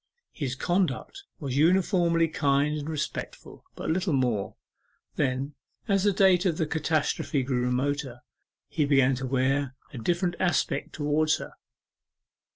His conduct was uniformly kind and respectful, but little more. Then, as the date of the catastrophe grew remoter, he began to wear a different aspect towards her.